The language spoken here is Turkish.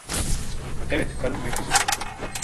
Evet, karım ve kızım…